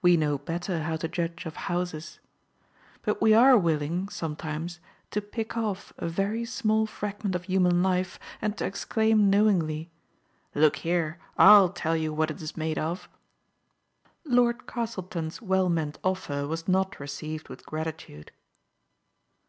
We know better how to judge of houses. But we are will ing — sometimes — to pick off a very small frag ment of human life, and to exclaim knowingly, " Look here, Fll tell you what it is made of !"• Lord Castleton's well meant offer was not re ceived with gratitude.